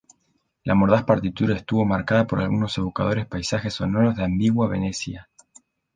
La mordaz partitura estuvo marcada por algunos evocadores paisajes sonoros de "ambigua Venecia".